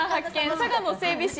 佐賀の整備士